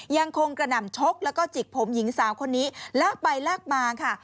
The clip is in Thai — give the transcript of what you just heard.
ยังคงกระหน่ำชกแล้วก็จิกผมหญิงสาวคนนี้ลากไปลากมาค่ะ